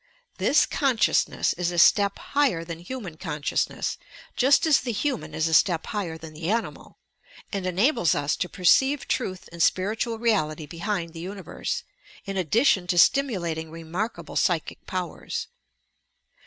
This consciousness is a step higher than human consciousness, — just as the human is a step higher than the animal, — and enables us to perceive truth and spiritual reality behind the universe, in addition to stimulating remarkable psychic powers.